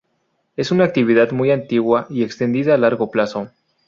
Es una actividad muy antigua y extendida a largo plazo.